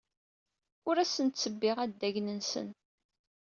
Ur asen-ttebbiɣ addagen-nsen.